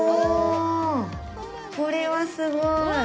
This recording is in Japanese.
これはすごい。